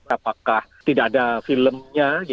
apakah tidak ada filmnya